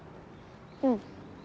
うん。